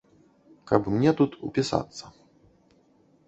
Каб мне тут упісацца.